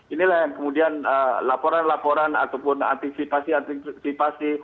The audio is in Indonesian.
inilah yang kemudian laporan laporan ataupun antisipasi antisipasi